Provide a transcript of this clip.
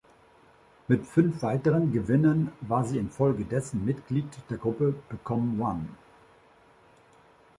Mit fünf weiteren Gewinnern war sie infolgedessen Mitglied der Gruppe "Become One".